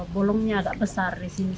bolongnya agak besar disini